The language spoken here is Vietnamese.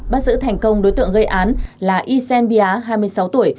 bắt giữ thành công đối tượng gây án là isen bia hai mươi sáu tuổi